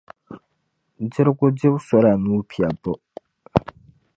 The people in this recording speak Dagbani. Dirigu dibu sola nuu piɛbbu.